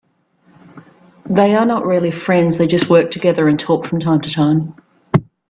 They are not really friends, they just work together and talk from time to time.